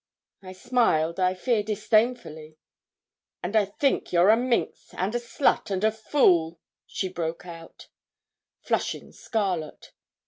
I smiled, I fear, disdainfully. 'And I think you're a minx, and a slut, and a fool,' she broke out, flushing scarlet.